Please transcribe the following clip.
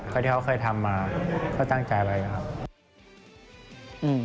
กว่าที่เขาเคยทำมาเขาตั้งใจไปแล้วครับ